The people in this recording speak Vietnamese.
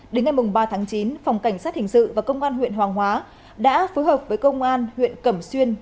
đến ngày ba tháng chín phòng cảnh sát hình sự và công an huyện hoàng hóa đã phối hợp với công an huyện cẩm xuyên